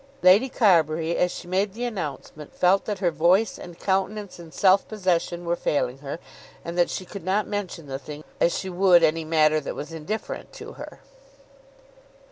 Lady Carbury, as she made the announcement, felt that her voice and countenance and self possession were failing her, and that she could not mention the thing as she would any matter that was indifferent to her.